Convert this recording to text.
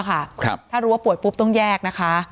ถ้ารู้ว่าป่วยปุ๊บต้องแยกนะคะ